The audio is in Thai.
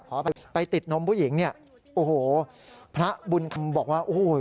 ไปไปติดนมผู้หญิงเนี่ยโอ้โหพระบุญคำบอกว่าโอ้โห